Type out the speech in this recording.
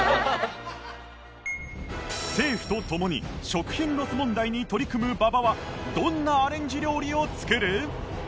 政府と共に食品ロス問題に取り組む馬場はどんなアレンジ料理を作る？